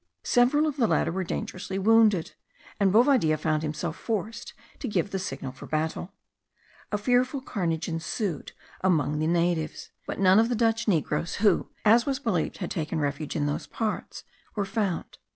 Several of the latter were dangerously wounded, and Bovadilla found himself forced to give the signal for battle. A fearful carnage ensued among the natives, but none of the Dutch negroes, who, as was believed, had taken refuge in those parts, were found.